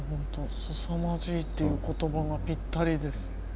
すさまじいっていう言葉がぴったりです。